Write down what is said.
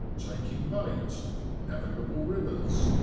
TAKING BAIT.—NAVIGABLE RIVERS.